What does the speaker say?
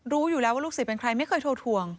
รู้อยู่แล้วว่าลูกศิษย์เป็นใครไม่เคยโทรทวง